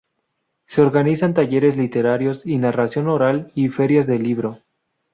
Se organizan talleres literarios y narración oral y ferias del libro.